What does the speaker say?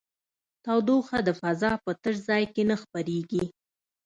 تودوخه د فضا په تش ځای کې نه خپرېږي.